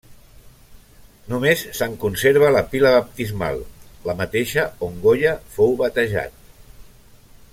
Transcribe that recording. Només se'n conserva la pila baptismal, la mateixa on Goya fou batejat.